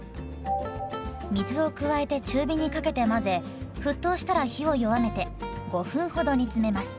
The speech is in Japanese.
水を加えて中火にかけて混ぜ沸騰したら火を弱めて５分ほど煮詰めます。